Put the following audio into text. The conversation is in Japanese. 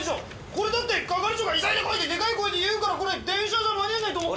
これだって係長が「急いで来い！」ってでかい声で言うからこれ電車じゃ間に合わないと思って。